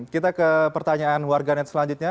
kita ke pertanyaan warganet selanjutnya